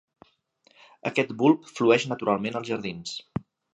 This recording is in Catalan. Aquest bulb flueix naturalment als jardins.